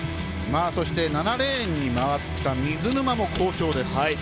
７レーンに回った水沼も好調です。